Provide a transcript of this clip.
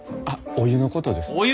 あっお湯のことです。